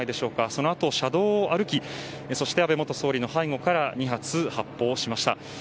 そのあと車道を歩きそして、安倍元総理の背後から２発、発砲をしました。